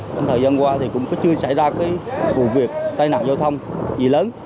trong thời gian qua thì cũng chưa xảy ra cái vụ việc tai nạn giao thông gì lớn